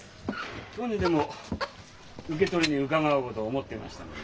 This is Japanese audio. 今日にでも受け取りに伺おうと思ってましたのに。